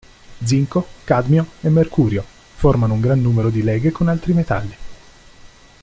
Zinco, cadmio e mercurio formano un gran numero di leghe con altri metalli.